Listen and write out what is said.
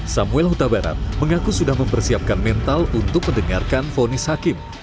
samuel huta barat mengaku sudah mempersiapkan mental untuk mendengarkan fonis hakim